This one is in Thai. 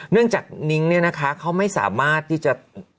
เนื่องจากนิ้งเนี่ยนะคะเขาไม่สามารถที่จะ